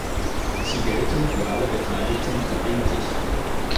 Sie gelten für alle Beteiligten verbindlich.